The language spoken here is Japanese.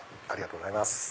ありがとうございます。